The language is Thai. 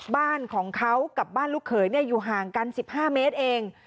บ้านของเขากับบ้านลูกเขยอยู่ห่างกัน๑๕เมตรเอง